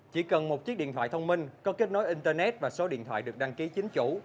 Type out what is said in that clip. chỉ cần một chiếc điện thoại thông minh có kết nối internet và số điện thoại được đăng ký chính chủ